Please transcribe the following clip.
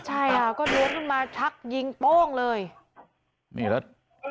ใช่อ่ะก็โดนลงมาชักยิงโป้งเลย